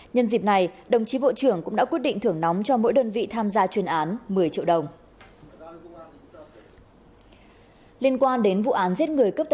nhân dịp này đồng chí bộ trưởng cũng đã quyết định thưởng nóng cho mỗi đơn vị tham gia chuyên án một mươi triệu đồng